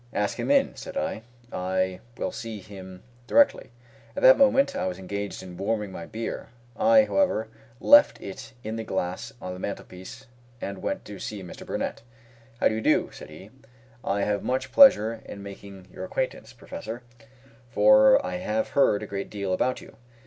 "Ask him in," said I; "I will see him directly." At that moment I was engaged in warming my beer. I, however, left it in the glass on the mantelpiece and went to see Mr Burnett. "How do you do?" said he; "I have much pleasure in making your acquaintance, Professor; for I have heard a great deal about you."